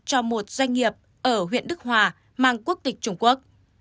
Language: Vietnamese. cho một doanh nghiệp ở huyện đức hòa mang quốc tịch trung quốc